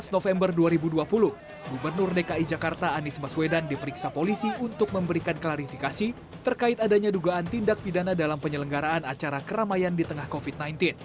tujuh belas november dua ribu dua puluh gubernur dki jakarta anies baswedan diperiksa polisi untuk memberikan klarifikasi terkait adanya dugaan tindak pidana dalam penyelenggaraan acara keramaian di tengah covid sembilan belas